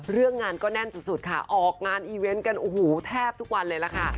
เรื่องงานก็แน่นสุดค่ะออกงานอีเวนต์กันโอ้โหแทบทุกวันเลยล่ะค่ะ